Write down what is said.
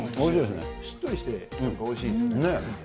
しっとりしておいしいですね。